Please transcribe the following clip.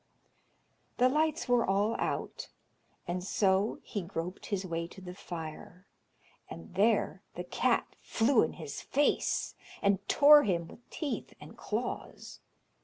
The lights were all out, and so he groped his way to the fire, and there the cat flew in his face, and tore him with teeth and claws.